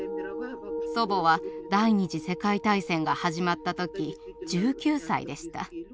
祖母は第２次世界大戦が始まった時１９歳でした。